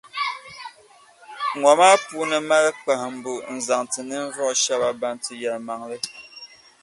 Ŋɔ maa puuni mali kpahimbu n-zaŋ ti ninvuɣu shεba ban ti yεlimaŋli.